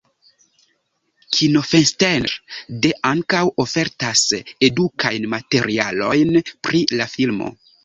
Kinofenster.de ankaŭ ofertas edukajn materialojn pri la filmo.